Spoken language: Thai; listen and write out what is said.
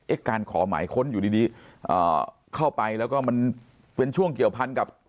การขอหมายค้นอยู่ดีเข้าไปแล้วก็มันเป็นช่วงเกี่ยวพันกับ